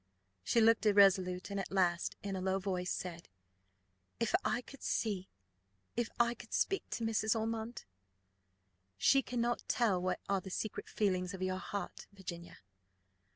She looked irresolute: and at last, in a low voice, said, "If I could see, if I could speak to Mrs. Ormond " "She cannot tell what are the secret feelings of your heart, Virginia.